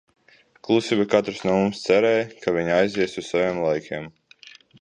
Klusībā katrs no mums cerēja, ka viņi aizies uz visiem laikiem.